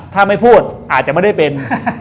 ถ้าไม่พูดอาจจะไม่ได้เป็น